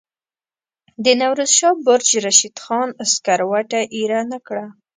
د نوروز شاه برج رشید خان سکروټه ایره نه کړه.